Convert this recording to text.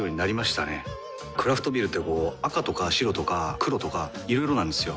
クラフトビールってこう赤とか白とか黒とかいろいろなんですよ。